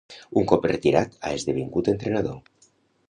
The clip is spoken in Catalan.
Un cop retirat ha esdevingut entrenador.